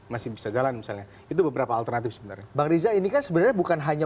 masih bisa jalan misalnya itu beberapa alternatif sebenarnya bang riza ini kan sebenarnya bukan hanya